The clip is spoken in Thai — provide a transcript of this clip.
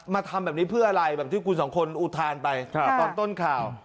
ทำแบบนี้เพื่ออะไรแบบที่คุณสองคนอุทานไปตอนต้นข่าว